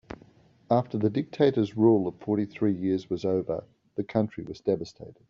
After the dictator's rule of fourty three years was over, the country was devastated.